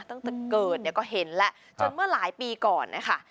ตั้งแต่เกิดเนี่ยก็เห็นแล้วจนเมื่อหลายปีก่อนนะคะ